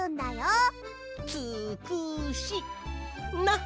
「つくし」な！